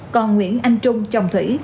còn nguyễn anh trung chồng thủy